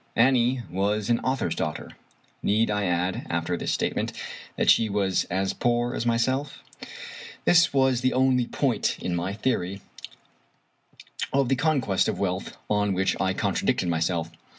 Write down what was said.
Annie was an author's daughter. Need I add, after this statement, that she was as poor as myself? This was the only point in my theory of the conquest of wealth on which I contradicted myself.